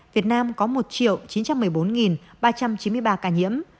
việt nam có một chín trăm một mươi bốn ba trăm chín mươi ba ca nhiễm